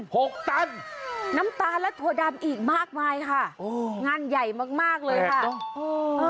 หกตันน้ำตาลและถั่วดำอีกมากมายค่ะโอ้งานใหญ่มากมากเลยค่ะโอ้